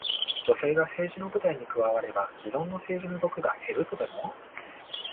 女性が政治の舞台に加われば、既存の政治の毒が減るとでも？